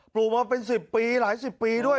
ลูกมาเป็น๑๐ปีหลายสิบปีด้วย